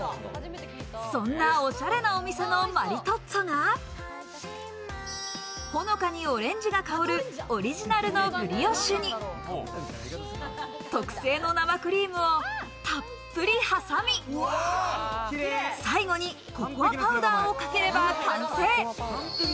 そんなオシャレなお店のマリトッツォが、ほのかにオレンジが香るオリジナルのブリオッシュに、特製の生クリームをたっぷり挟み、最後にココアパウダーをかければ完成。